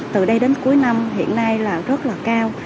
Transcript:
từ đây đến cuối năm hiện nay là rất là cao